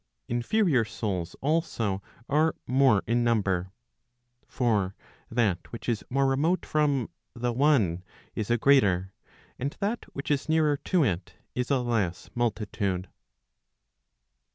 Inferior souls also are more in number. For that which is more remote from the one , is a greater, and that which is nearer to it, is a less multitude.